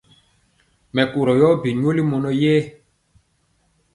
Mɛkorɔ yɔ bi nyoli mɔnɔ yɛ.